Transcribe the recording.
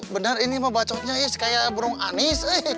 bener ini mah bacotnya kayak burung anis